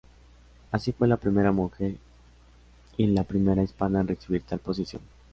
Así fue la primera mujer y la primera hispana en recibir tal posición.